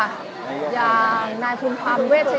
และที่อยู่ด้านหลังคุณยิ่งรักนะคะก็คือนางสาวคัตยาสวัสดีผลนะคะ